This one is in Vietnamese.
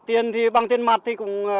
tiền thì bằng tiền mặt thì cũng